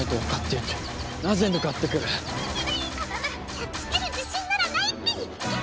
やっつける自信ならないっぴぃ！